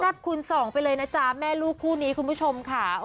คูณสองไปเลยนะจ๊ะแม่ลูกคู่นี้คุณผู้ชมค่ะ